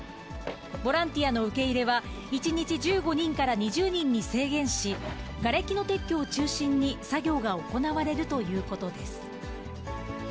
ボランティアの受け入れは、１日１５人から２０人に制限し、がれきの撤去を中心に作業が行われるということです。